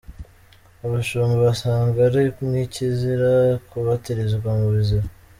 Abashumba basanga ari nk’ikizira kubatirizwa mu biziba.